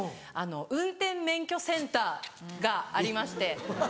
運転免許センターがありまして。